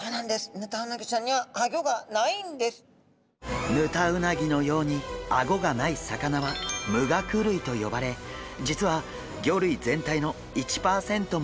ヌタウナギのようにアゴがない魚は無顎類と呼ばれ実は魚類全体の１パーセントもいない種類です。